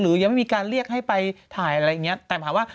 หรือยังไม่มีการเรียกให้ไปถ่ายอะไรอย่างนี้